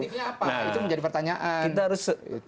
nah itu menjadi pertanyaan